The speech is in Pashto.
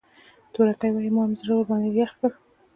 تورکى وايي مام زړه ورباندې يخ کړ.